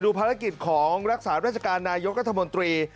ภารกิจของรักษาราชการนายกรัฐมนตรี